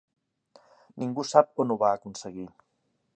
Ningú sap on ho va aconseguir.